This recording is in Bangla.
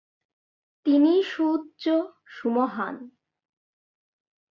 তিনিই সুউচ্চ, সুমহান।